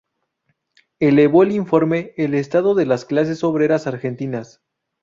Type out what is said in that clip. Elevó el Informe "El Estado de las Clases Obreras Argentinas".